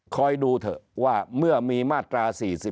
ดูเถอะว่าเมื่อมีมาตรา๔๔